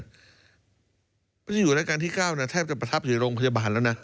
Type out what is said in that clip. เจ้าอยู่รายการที่๙แทบจะประทับอยู่โรงพยาบาลแล้วนะ